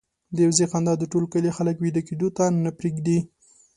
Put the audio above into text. د وزې خندا د ټول کلي خلک وېده کېدو ته نه پرېږدي.